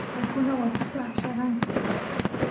paykuna wasita aqllaranku